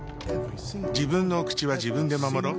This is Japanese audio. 自分のお口は自分で守ろっ。